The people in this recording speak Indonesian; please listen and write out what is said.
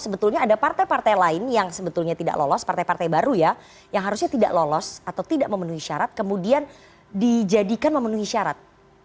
sebetulnya ada partai partai lain yang sebetulnya tidak lolos partai partai baru ya yang harusnya tidak lolos atau tidak memenuhi syarat kemudian dijadikan memenuhi syarat